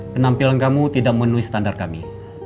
penampilan kamu tidak menuhi standar kami